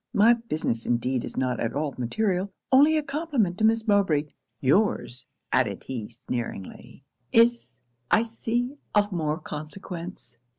My business indeed is not at all material only a compliment to Miss Mowbray your's,' added he sneeringly, 'is, I see, of more consequence.'